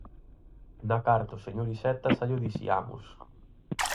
Na carta ao señor Iceta xa llo diciamos.